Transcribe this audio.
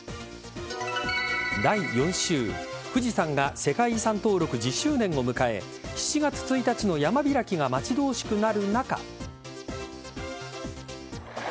第４週富士山が世界遺産登録１０周年を迎え７月１日の山開きが待ち遠しくなる中。